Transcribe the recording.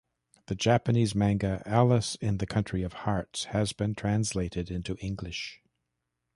The Japanese manga "Alice in the Country of Hearts" has been translated into English.